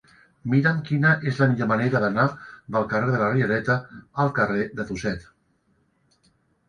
Mira'm quina és la millor manera d'anar del carrer de la Riereta al carrer de Tuset.